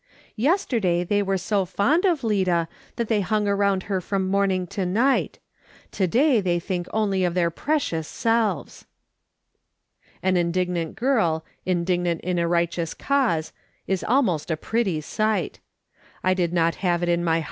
Yesterday tliey were so fond of Lida that they hung around her from morning to night : to day they think only of their precious selves !" An indignant girl, indignant in a righteous cause, is almost a pretty sight. I did not have it in my l62 MRS. SOLOMON SMITH LOOKING ON.